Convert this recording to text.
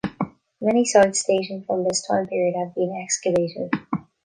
Many sites dating from this time period have been excavated.